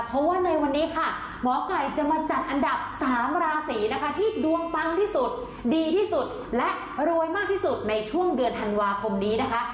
เพราะว่าในวันนี้ค่ะหมอไก่จะมาจัดอันดับ๓ราศีนะคะที่ดวงปังที่สุดดีที่สุดและรวยมากที่สุดในช่วงเดือนธันวาคมนี้นะคะ